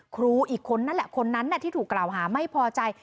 ครูอีกคนนั่นแหละคนนั้นที่ถูกกล่าวหาไม่พอใจ